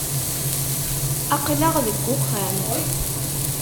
Aql-aɣ deg uxxam.